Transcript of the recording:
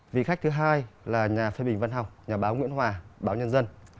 vị khách thứ hai là nhà phê bình văn học nhà báo nguyễn hòa báo nhân dân